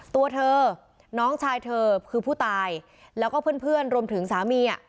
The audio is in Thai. ตัวเธอน้องชายเธอคือผู้ตายแล้วก็เพื่อนรวมถึงสามี